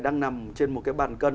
đang nằm trên một cái bàn cân